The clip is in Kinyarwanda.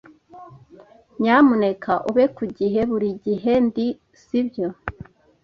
"Nyamuneka ube ku gihe." "Buri gihe ndi, si byo?"